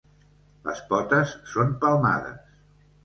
Les potes són palmades.